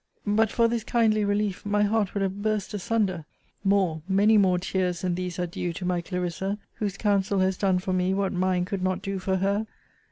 But for this kindly relief, my heart would have burst asunder more, many more tears than these are due to my CLARISSA, whose counsel has done for me what mine could not do for her!